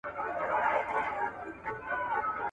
تر ماپښینه تر دوو دریو کلیو را تېر سو ,